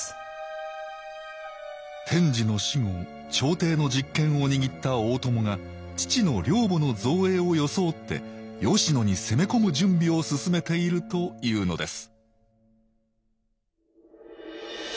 天智の死後朝廷の実権を握った大友が父の陵墓の造営を装って吉野に攻め込む準備を進めているというのです